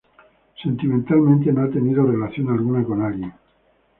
Sentimentalmente no ha tenido relación alguna con alguien.